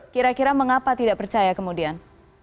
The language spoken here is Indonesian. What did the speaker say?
kira kira mengapa tidak percaya kemudian